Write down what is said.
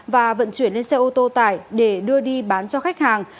máy xe ô tô tải để đưa đi bán cho khách hàng